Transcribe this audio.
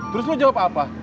terus lu jawab apa